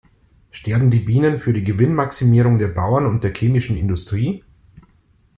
Sterben die Bienen für die Gewinnmaximierung der Bauern und der chemischen Industrie?